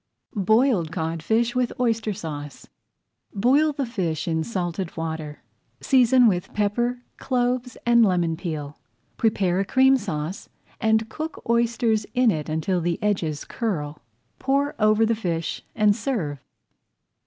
BOILED CODFISH WITH OYSTER SAUCE Boil the fish in salted water, seasoned with pepper, cloves, and lemon peel. Prepare a Cream Sauce, and cook oysters in it until the edges curl, pour over the fish, and serve.